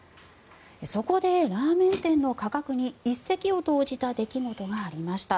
そこでラーメン店の価格に一石を投じた出来事がありました。